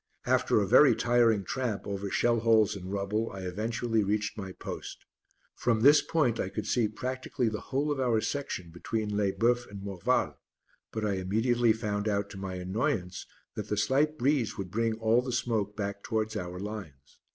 After a very tiring tramp over shell holes and rubble I eventually reached my post. From this point I could see practically the whole of our section between Lesboeufs and Morval, but I immediately found out to my annoyance that the slight breeze would bring all the smoke back towards our lines.